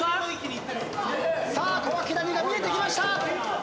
さあ小涌谷が見えてきました！